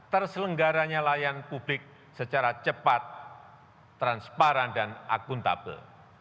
terselenggaranya layanan publik secara cepat transparan dan akuntabel